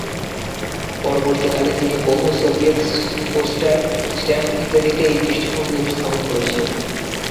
পরবর্তীকালে তিনি বহু সোভিয়েত পোস্টার, স্ট্যাম্প ইত্যাদিতে এই দৃষ্টিভঙ্গি উপস্থাপন করেছিলেন।